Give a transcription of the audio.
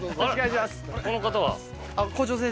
この方は？